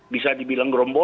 bisa dibilang gerombolan